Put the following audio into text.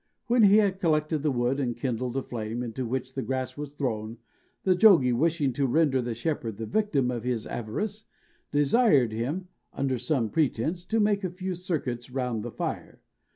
When he had collected the wood and kindled a flame, into which the grass was thrown, the Jogie, wishing to render the shepherd the victim of his avarice, desired him, under some pretence, to make a few circuits round the fire.